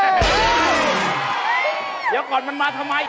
เดี๋ยวก่อนมันมาทำไม